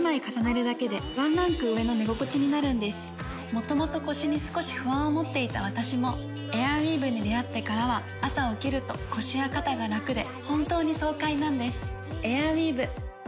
元々腰に少し不安を持っていた私もエアウィーヴに出会ってからは朝起きると腰や肩が楽で本当に爽快なんです